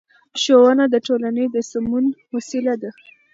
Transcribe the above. ښوونه د ټولنې د سمون وسیله ده